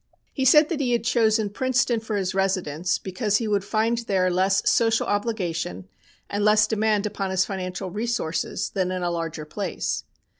"He said that he had chosen Princeton for his residence because he would find there less social obligation and less demand upon his financial resources than in a larger place.